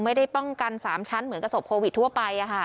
ไม่ได้ป้องกัน๓ชั้นเหมือนกับศพโควิดทั่วไป